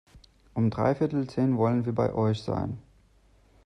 Um dreiviertel zehn wollen wir bei euch sein.